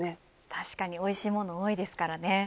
確かにおいしいものが多いですからね。